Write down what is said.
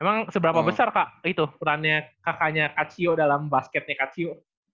emang seberapa besar kak itu kekurangannya kakaknya kak cio dalam basketnya kak cio